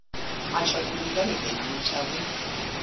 *'" I shall believe anything you tell me.